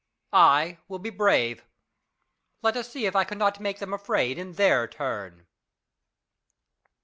I will be brave. Let us see if I cannot make them afraid in their turn.